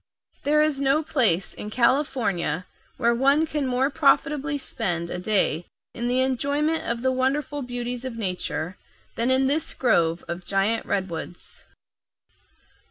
There is no place in California where one can more profitably spend a day in the enjoyment of the wonderful beauties of nature than in this grove of giant redwoods.